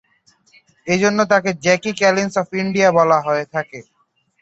এজন্য তাকে "Jackie Collins of India" বলা হয়ে থাকে।